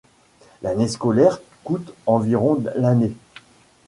L'année scolaire coûte environ l'année.